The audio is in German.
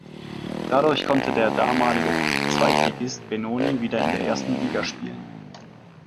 Dadurch konnte der damalige Zweitligist Benoni wieder in der ersten Liga spielen.